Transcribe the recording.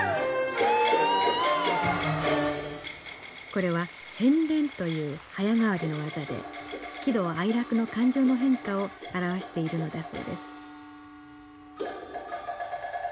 これは変面という早変わりの技で喜怒哀楽の感情の変化を表しているのだそうです